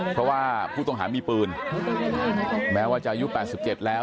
เพราะว่าผู้ต้องหามีปืนแม้ว่าจะอายุ๘๗แล้ว